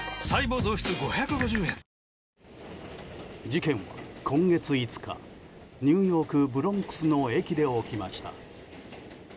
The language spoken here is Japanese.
事件は今月５日ニューヨーク・ブロンクスの駅で起きました。